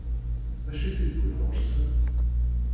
D acu i t-iwwin ɣur-sen?